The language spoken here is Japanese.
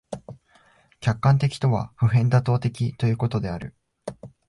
客観的とは普遍妥当的ということである。